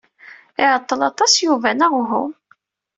Iɛeṭṭel aṭas Yuba neɣ uhu?